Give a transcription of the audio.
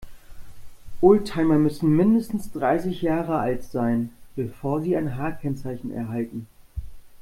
Oldtimer müssen mindestens dreißig Jahre alt sein, bevor sie ein H-Kennzeichen erhalten.